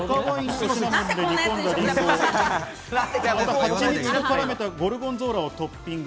ハチミツと絡めたゴルゴンゾーラをトッピング。